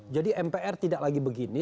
mpr tidak lagi begini